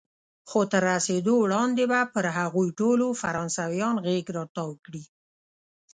خو تر رسېدو وړاندې به پر هغوی ټولو فرانسویان غېږ را تاو کړي.